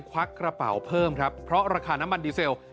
ควักกระเป๋าเพิ่มครับเพราะราคาน้ำมันดีเซล